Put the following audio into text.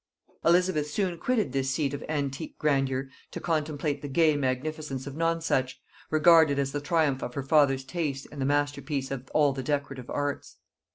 Elizabeth soon quitted this seat of antique grandeur to contemplate the gay magnificence of Nonsuch, regarded as the triumph of her father's taste and the masterpiece of all the decorative arts.